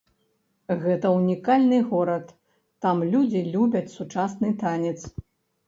Гэта ўнікальны горад, там людзі любяць сучасны танец.